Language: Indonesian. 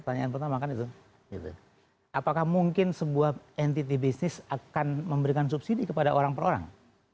pertanyaan pertama kan itu apakah mungkin sebuah entity bisnis akan memberikan subsidi kepada orang per orang